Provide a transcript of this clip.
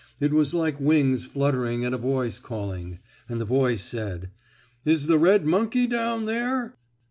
It was like wings fluttering and a voice calling. And the voice said: "Is the red monkey down there?"